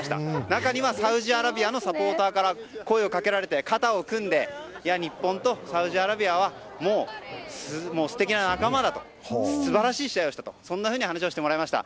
中には、サウジアラビアのサポーターから声をかけられて肩を組んで日本とサウジアラビアはもう素敵な仲間だと素晴らしい試合をしたとそんなふうに話をしてもらいました。